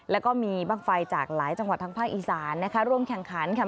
แล้วก็มีบ้างไฟจากหลายจังหวัดทางภาคอีสานนะคะร่วมแข่งขันค่ะ